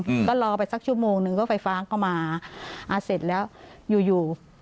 อืมก็รอไปสักชั่วโมงหนึ่งก็ไฟฟ้าก็มาอ่าเสร็จแล้วอยู่อยู่